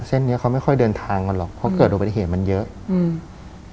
เส้นเนี้ยเขาไม่ค่อยเดินทางกันหรอกเพราะเกิดอุบัติเหตุมันเยอะอืม